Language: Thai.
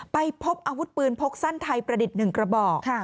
ไปพบอาวุธปืนพกสั้นไทยประดิษฐ์๑กระบอก